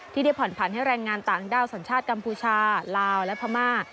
ที่ได้ผ่อนผันให้แรงงานต่างด้าวสัญชาติกัมพูชาลาวและพม่า